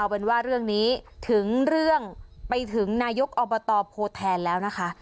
เป็นว่าเรื่องนี้ถึงเรื่องไปถึงนายกอบตโพแทนแล้วนะคะ